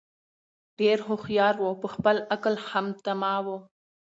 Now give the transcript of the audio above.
ډېر هوښیار وو په خپل عقل خامتماوو